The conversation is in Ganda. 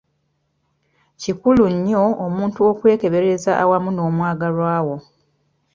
Kikulu nnyo omuntu okwekebereza awamu n’omwagalwa wo.